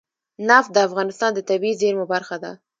نفت د افغانستان د طبیعي زیرمو برخه ده.